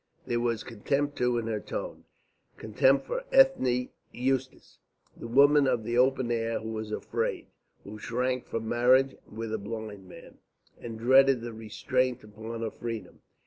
There was contempt too in her tone, contempt for Ethne Eustace, the woman of the open air who was afraid, who shrank from marriage with a blind man, and dreaded the restraint upon her freedom.